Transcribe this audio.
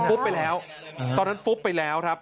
ไปแล้วตอนนั้นฟุบไปแล้วครับ